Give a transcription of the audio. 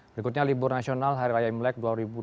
berikutnya libur nasional hari raya imlek dua ribu dua puluh